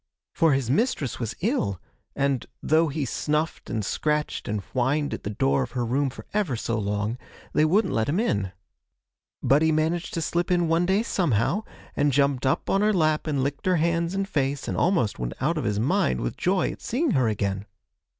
For his mistress was ill, and, though he snuffed and scratched and whined at the door of her room for ever so long, they wouldn't let him in. But he managed to slip in one day somehow, and jumped up on her lap and licked her hands and face, and almost went out of his mind with joy at seeing her again.